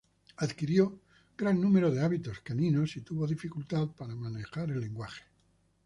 Adquirió gran número de hábitos caninos y tuvo dificultades para manejar el lenguaje.